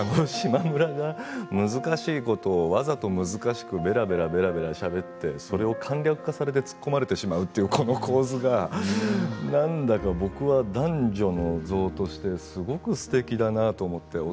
島村が難しいことをわざと難しくべらべらべらべらしゃべっているそれを簡略化されて突っ込まれてしまうというこの構図がなんだか僕は男女の像としてすごくすてきだなと思って。